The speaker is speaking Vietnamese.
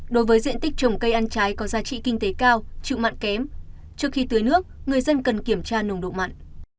đối với diện tích trồng cây ăn trái có giá trị kinh tế cao chịu mặn kém trước khi tưới nước người dân cần kiểm tra nồng độ mặn